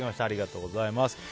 ありがとうございます。